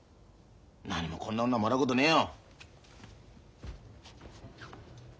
なにもこんな女もらうことねえよ。